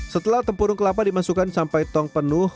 setelah tempurung kelapa dimasukkan sampai tong penuh